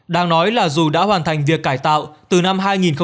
đang nói là dù đã hoàn thành việc cải tạo từ năm hai nghìn hai mươi hai